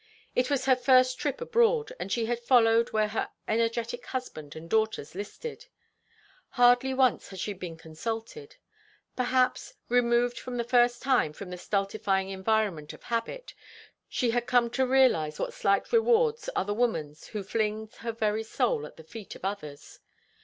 It was her first trip abroad, and she had followed where her energetic husband and daughters listed. Hardly once had she been consulted. Perhaps, removed for the first time from the stultifying environment of habit, she had come to realize what slight rewards are the woman's who flings her very soul at the feet of others.